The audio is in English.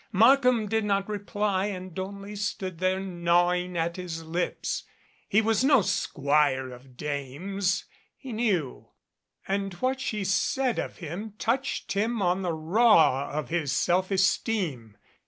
Markham did not reply and only stood there gnawing at his lips. He was no squire of dames he knew, and what she said of him touched him on the raw of his self esteem.